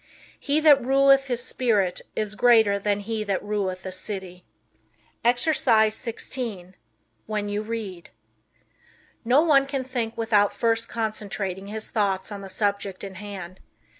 "He that ruleth his spirit is greater than he that ruleth a city." Exercise 16 When You Read. No one can think without first concentrating his thoughts on the subject in hand.